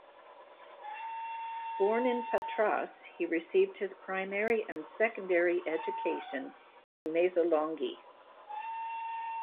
Born in Patras, he received his primary and secondary education in Mesolonghi.